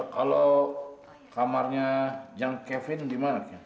kalau kamarnya yang kevin dimana